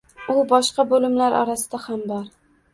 U boshqa bo‘limlar orasida ham bor.